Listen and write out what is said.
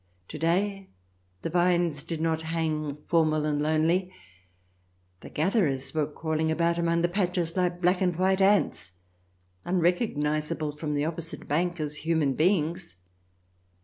To day the vines did not hang formal and lonely ; the gatherers were crawling about among the patches like black and white ants, unrecognizable from the opposite bank as human beings.